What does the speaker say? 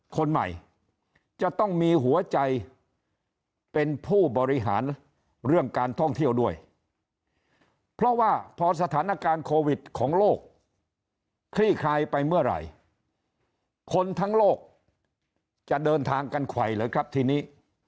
คนใหม่จะต้องมีหัวใจเป็นผู้บริหารเรื่องการท่องเที่ยวด้วยเพราะว่าพอสถานการณ์โควิดของโลกคลี่คลายไปเมื่อไหร่คนทั้งโลกจะเดินทางกันไขวเลยครับทีนี้